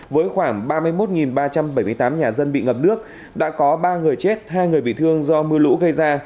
với khoảng ba mươi một ba trăm bảy mươi tám nhà dân bị ngập nước đã có ba người chết hai người bị thương do mưa lũ gây ra